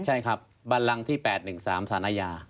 ใช่ครับบันลังที่๘๑๓สารยา